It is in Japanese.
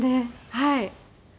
はい。